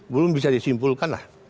belum bisa disimpulkan lah